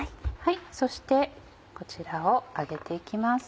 そしてこちらを揚げて行きます。